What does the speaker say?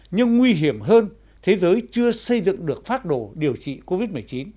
nhưng nguy hiểm hơn thế giới chưa xây dựng được phác đồ điều trị covid một mươi chín